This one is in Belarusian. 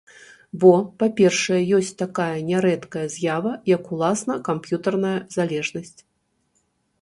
Бо, па-першае, ёсць такая нярэдкая з'ява, як уласна камп'ютарная залежнасць.